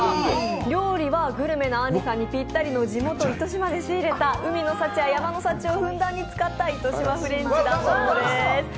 料理はグルメなあんりさんにぴったりの地元・糸島で仕入れた海の幸や山の幸をふんだんに使った糸島フレンチだそうです。